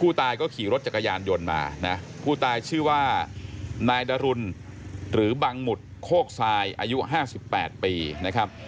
ผู้ตายก็ขี่รถจักรยานยนต์มานะผู้ตายชื่อว่านายดรุนหรือบังหมุดโคกทรายอายุ๕๘ปีนะครับ